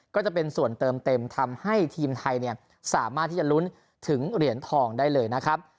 ก็จะเป็นส่วนเติมเต็มทำให้ทีมไทยสามารถที่จะลุ้นถึงเหรียญทองได้เลยนะครับ